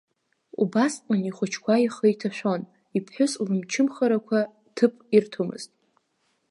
Убасҟан ихәыҷқәа ихы иҭашәон, иԥҳәыс лымчымхарақәа ҭыԥ ирҭомызт.